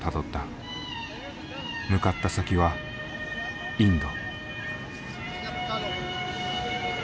向かった先はインド。